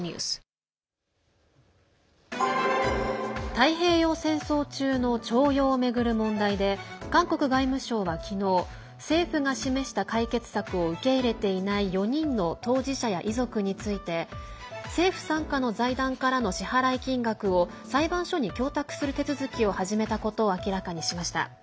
太平洋戦争中の徴用を巡る問題で韓国外務省は昨日政府が示した解決策を受け入れていない４人の当事者や遺族について政府傘下の財団からの支払い金額を裁判所に供託する手続きを始めたことを明らかにしました。